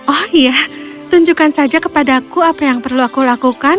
oh iya tunjukkan saja kepadaku apa yang perlu aku lakukan